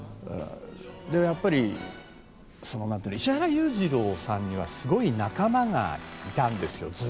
やっぱり石原裕次郎さんにはすごい仲間がいたんですよ。